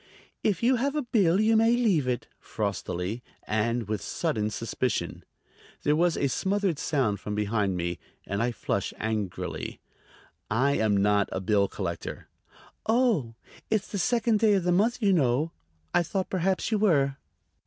"If you have a bill you may leave it," frostily and with sudden suspicion. There was a smothered sound from behind me, and I flushed angrily. "I am not a bill collector." "Oh; it's the second day of the month, you know. I thought perhaps you were."